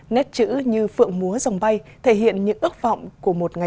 nét chữ như phượng múa dòng bay thể hiện những ước vọng của một ngày